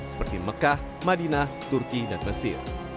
seperti mekah madinah turki dan mesir